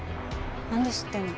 なんで知ってんの？